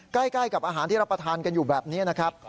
ใกล้กับอาหารที่รับประทานกันอยู่แบบนี้นะครับ